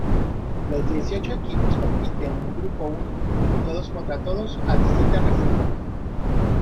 Los dieciocho equipos compiten en un grupo único, todos contra todos a visita reciproca.